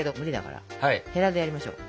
へらでやりましょう。